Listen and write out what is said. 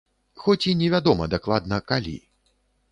Хоць і невядома дакладна, калі.